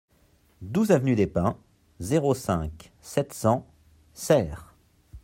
douze avenue des Pins, zéro cinq, sept cents, Serres